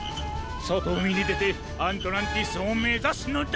そとうみにでてアントランティスをめざすのだ！